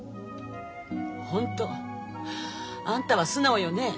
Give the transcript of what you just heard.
ホントあんたは素直よね。